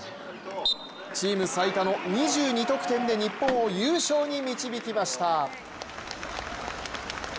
チーム最多の２２得点で日本を優勝に導きました。